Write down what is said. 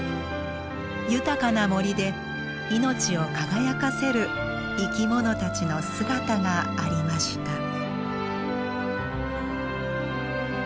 豊かな森で命を輝かせる生きものたちの姿がありました。